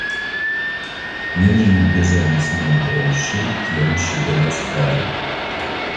Neniu bezonas montri al ŝi, kion ŝi devas fari.